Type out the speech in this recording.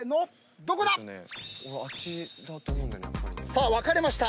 さあ分かれました。